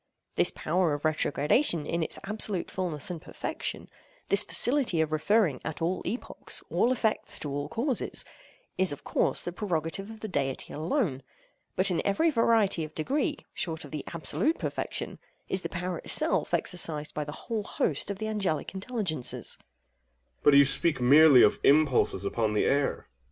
This power of retrogradation in its absolute fulness and perfection—this faculty of referring at all epochs, all effects to all causes—is of course the prerogative of the Deity alone—but in every variety of degree, short of the absolute perfection, is the power itself exercised by the whole host of the Angelic intelligences. OINOS. But you speak merely of impulses upon the air. AGATHOS.